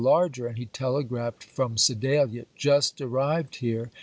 larger, and he telegraphed from Sedalia, "Just arrived here.